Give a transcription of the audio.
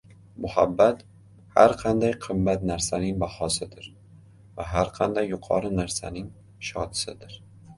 Muhabbat har qanday qimmat narsaning bahosidir va har qanday yuqori narsaning shotisidir.